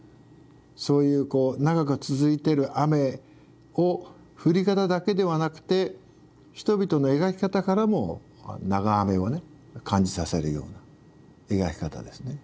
そういうこう長く続いてる雨を降り方だけではなくて人々の描き方からも長雨をね感じさせるような描き方ですね。